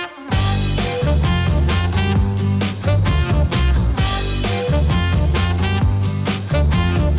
สวัสดีครับ